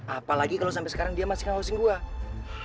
apalagi kalau sampai sekarang dia masih ngewasin gue